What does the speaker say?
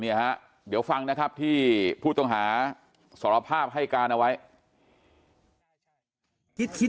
ฮะเดี๋ยวฟังนะครับที่ผู้ต้องหาสารภาพให้การเอาไว้